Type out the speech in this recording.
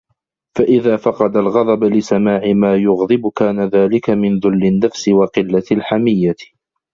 فَإِذَا فَقَدَ الْغَضَبَ لِسَمَاعِ مَا يُغْضِبُ كَانَ ذَلِكَ مِنْ ذُلِّ النَّفْسِ وَقِلَّةِ الْحَمِيَّةِ